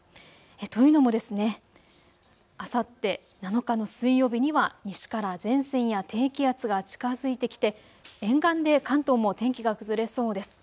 というのもあさって７日の水曜日には西から前線や低気圧が近づいてきて沿岸で関東も天気が崩れそうです。